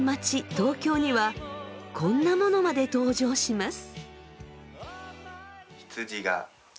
東京にはこんなものまで登場します。